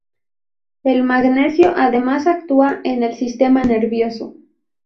El magnesio además actúa en el sistema nervioso.